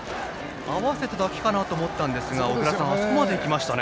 合わせただけかなと思ったんですが、小倉さんあそこまでいきましたね。